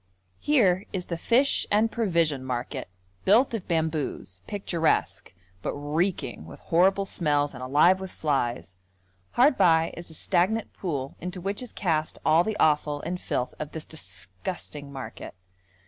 Here is the fish and provision market, built of bamboos, picturesque, but reeking with horrible smells and alive with flies; hard by is a stagnant pool into which is cast all the offal and filth of this disgusting market.